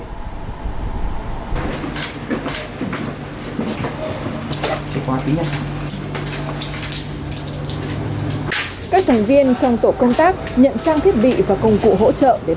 hãy quay tí nhé